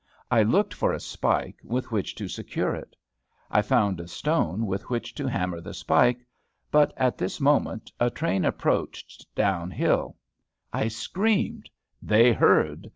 I looked for a spike with which to secure it. I found a stone with which to hammer the spike. But, at this moment, a train approached, down hill. I screamed. They heard!